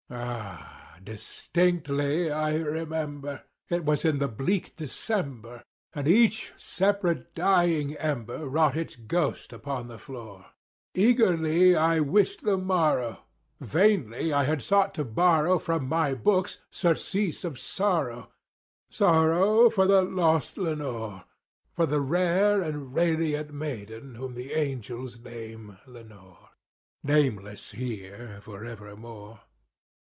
Ah, distinctly I remember it was in the bleak December, And each separate dying ember wrought its ghost upon the floor. Eagerly I wished the morrow;—vainly I had sought to borrow From my books surcease of sorrow—sorrow for the lost Lenore— For the rare and radiant maiden whom the angels name Lenore— Nameless here for evermore.